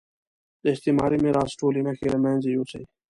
د استعماري میراث ټولې نښې له مېنځه یوسي.